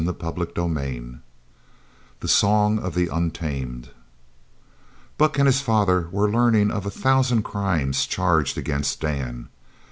CHAPTER XXXIII THE SONG OF THE UNTAMED Buck and his father were learning of a thousand crimes charged against Dan.